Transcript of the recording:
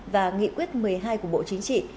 và nghị quyết một mươi hai của bộ chính trị